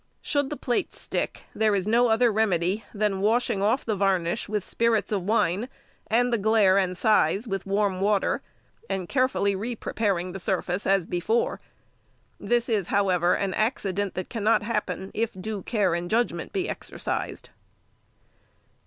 Should the plates stick, there is no other remedy than washing off the varnish with spirits of wine, and the glaire and size with warm water, and carefully re preparing the surface as before. This is, however, an accident that cannot happen if due care and judgment be exercised.